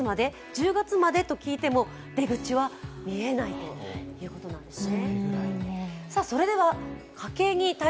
１０月まで？と聞いても出口は見えないということなんですね。